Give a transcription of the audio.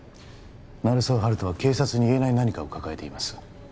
鳴沢温人は警察に言えない何かを抱えています